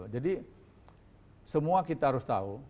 jadi semua kita harus tahu